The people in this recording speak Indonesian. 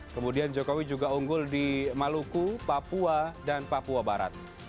kemudian jokowi juga unggul di maluku papua dan papua barat